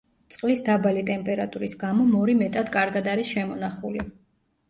წყლის დაბალი ტემპერატურის გამო მორი მეტად კარგად არის შემონახული.